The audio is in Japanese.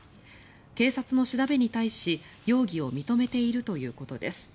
警察の調べに対し、容疑を認めているということです。